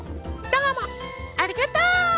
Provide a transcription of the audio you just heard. どうもありがとう！